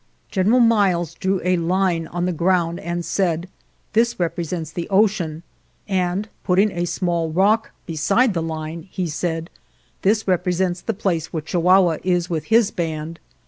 " General Miles drew a line on the ground and said, ' This represents the ocean,' and, putting a small rock beside the line, he said, 1 This represents the place where Chihua hua is with his band.'